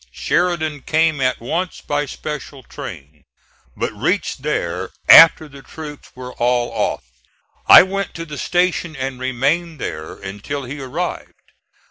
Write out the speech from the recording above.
Sheridan came at once by special train, but reached there after the troops were all off. I went to the station and remained there until he arrived.